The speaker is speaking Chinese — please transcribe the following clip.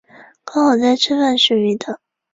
刚好在吃饭时遇到